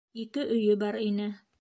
Ике өйө бар ине.